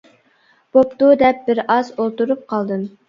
بوپتۇ دەپ بىر ئاز ئولتۇرۇپ قالدىم.